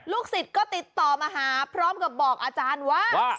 สิทธิ์ก็ติดต่อมาหาพร้อมกับบอกอาจารย์ว่า